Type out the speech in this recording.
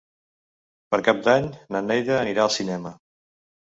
Per Cap d'Any na Neida anirà al cinema.